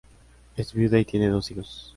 Es viuda y tiene dos hijos.